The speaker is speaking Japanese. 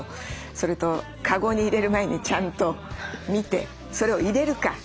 それとカゴに入れる前にちゃんと見てそれを入れるか戻すかも考えて。